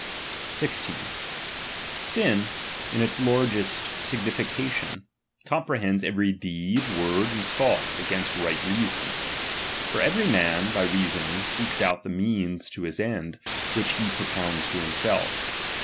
16, Sin, in its largest signification, comprehends ' every deed, word, and thought against right rea lu son. For every man, by reasoning, seeks out the " means to the end which he propounds to himself.